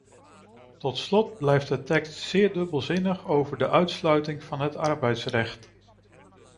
Tot slot blijft de tekst zeer dubbelzinnig over de uitsluiting van het arbeidsrecht.